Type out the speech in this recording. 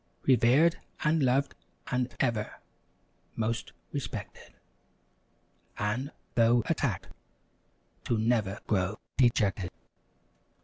Revered and loved and ever, most respected; And, though attacked, to never grow dejected.